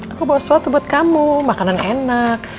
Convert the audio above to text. aku bawa soto buat kamu makanan enak